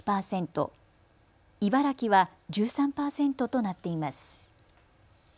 茨城は１３％となっています。